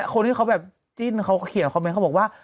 คนที่เขาแบบจิ้นเขาเขียนคอมเมนต์เขาบอกว่า